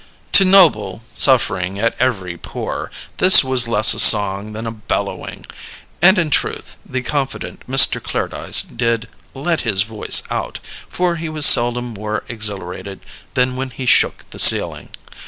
To Noble, suffering at every pore, this was less a song than a bellowing; and in truth the confident Mr. Clairdyce did "let his voice out," for he was seldom more exhilarated than when he shook the ceiling.